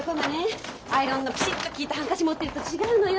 アイロンのピシッときいたハンカチ持ってると違うのよ。